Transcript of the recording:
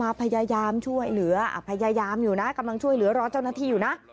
พยายามช่วยเหลือพยายามอยู่นะกำลังช่วยเหลือรอเจ้าหน้าที่อยู่นะ